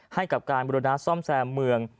ให้กับการบริณาซ่อมแซมเมือง